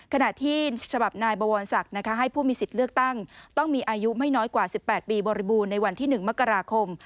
ขณะที่ฉบับนายบวรศักดิ์ให้ผู้มีสิทธิ์เลือกตั้งต้องมีอายุไม่น้อยกว่า๑๘ปีบริบูรณ์ในวันที่๑มกราคม